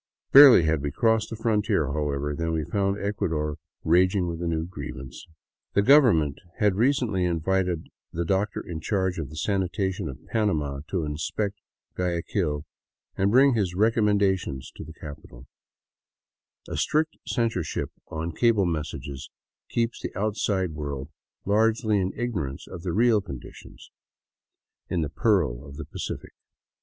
Barely had we crossed the frontier, however, than we found Ecuador raging with a new grievance. The Government had recently invited the doctor in charge of the sanitation of Panama to inspect Guayaquil and bring his recommendations to the capital 162 THE CITY OF THE EQUATOR A strict censorship on cable messages keeps the outside world largely in ignorance of the real conditions in the " Pearl of the Pacific."